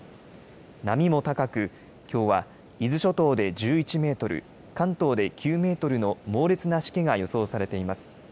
波も高くきょうは伊豆諸島で１１メートル、関東で９メートルの猛烈なしけが予想されています。